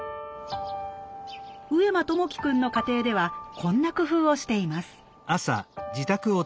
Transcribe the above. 上間友輝くんの家庭ではこんな工夫をしています。